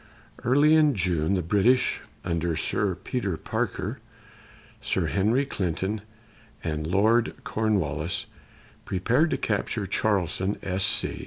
Early in June, the British, under Sir Peter Parker, Sir Henry Clinton, and Lord Cornwallis, prepared to capture Charleston, S. C.